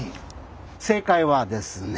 正解はですね